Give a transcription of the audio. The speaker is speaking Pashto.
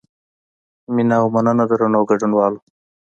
مینه او مننه درنو ګډونوالو.